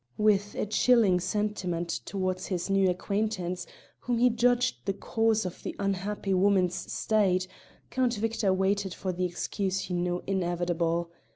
With a chilling sentiment towards his new acquaintance, whom he judged the cause of the unhappy woman's state, Count Victor waited for the excuse he knew inevitable.